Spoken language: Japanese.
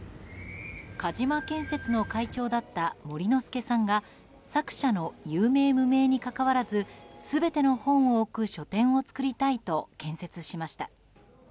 鹿島建設の会長だった守之助さんが作者の有名、無名にかかわらず全ての本を置く書店を作りたいと建設しました。